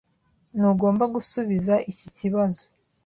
Ntugomba gusubiza iki kibazo.